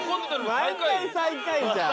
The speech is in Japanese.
毎回最下位じゃん。